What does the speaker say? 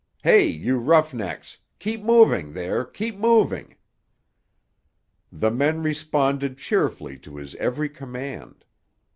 Hey, you roughnecks! Keep moving, there; keep moving!" The men responded cheerfully to his every command.